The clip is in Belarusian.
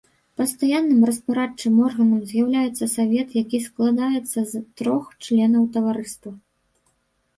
Пастаянным распарадчым органам з'яўляецца савет, які складаецца з трох членаў таварыства.